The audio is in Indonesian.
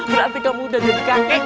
berarti kamu udah jadi kakek